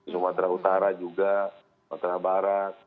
sumatera utara juga sumatera barat